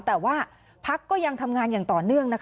แต่ว่าพักก็ยังทำงานอย่างต่อเนื่อง